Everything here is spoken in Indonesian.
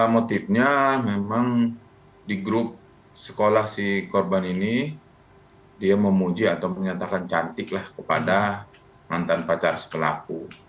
motifnya memang di grup sekolah si korban ini dia memuji atau menyatakan cantiklah kepada mantan pacar si pelaku